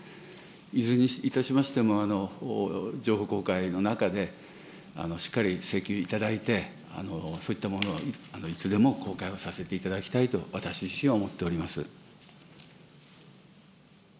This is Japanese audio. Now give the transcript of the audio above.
いずれにいたしましても、情報公開の中で、しっかりいただいて、そういったものをいつでも公開をさせていただきたいと私自身は思っております。